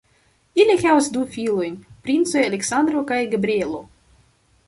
Ili havas du filojn, princoj Aleksandro kaj Gabrielo.